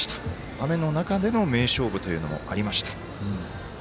雨の中での名勝負もありました。